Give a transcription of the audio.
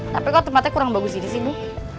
tapi kok tempatnya kurang bagus ini sih bu